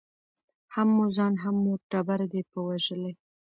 هم مو ځان هم مو ټبر دی په وژلی